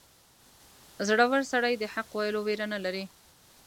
• زړور سړی د حق ویلو ویره نه لري.